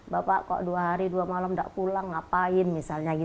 bapak kok dua hari dua malam tidak pulang ngapain misalnya